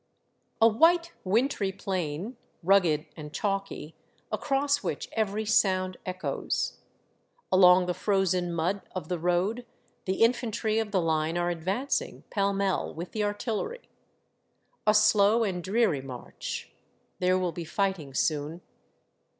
A WHITE, wintry plain, rugged and chalky, across which every sound echoes. Along the frozen mud of the road the infantry of the line are advancing, pell mell, with the artillery. A slow and dreary march. There will be fighting soon.